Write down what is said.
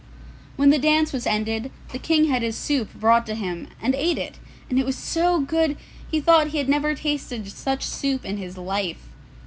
When the dance was ended, the King had his soup brought to him and ate it, and it was so good that he thought he had never tasted such soup in his life.